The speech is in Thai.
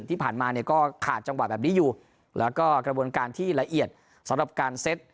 ที่ผ่านมาเนี่ยก็ขาดจังหวะแบบนี้อยู่แล้วก็กระบวนการที่ละเอียดสำหรับการเซ็ต